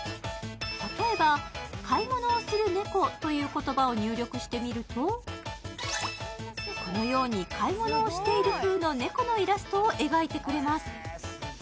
例えば、「買い物をする猫」という言葉を入力してみるとこのように買い物をしている風の猫のイラストを描いてくれます。